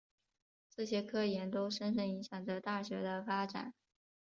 这些科研都深深影响着大学的发展。